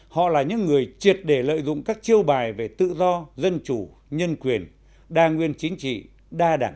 họ là những người triệt để lợi dụng các chiêu bài về tự do dân chủ nhân quyền đa nguyên chính trị đa đảng